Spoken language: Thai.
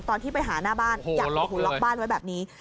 ตอนที่ไปหาหน้าบ้านอยากโอ้โหล็อกบ้านไว้แบบนี้